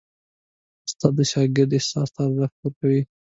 استاد د شاګرد احساس ته ارزښت ورکوي.